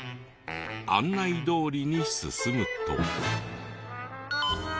案内どおりに進むと。